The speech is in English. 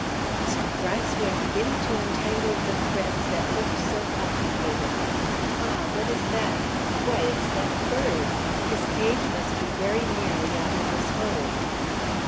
"Mr. Gryce, we are beginning to untangle the threads that looked so complicated. Ah, what is that? Why, it's that bird! His cage must be very nearly under this hole."